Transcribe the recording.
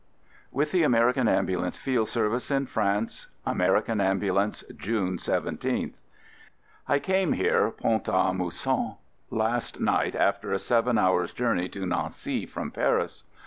WITH THE AMERICAN AMBULANCE FIELD SERVICE IN FRANCE American Ambulance, June 17th. I came here — Pont a Mousson — last night after a seven hours' journey to Nancy from Paris.